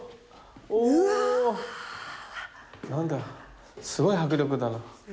何だすごい迫力だな。